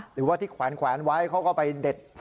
หรือว่าที่แขวนไว้เขาก็ไปเด็ด